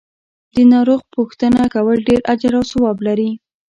د ناروغ پو ښتنه کول ډیر اجر او ثواب لری .